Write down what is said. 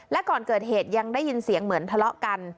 และก่อนเกิดเหตุยังได้ยินเสียงเหมือนทะเลาะกัน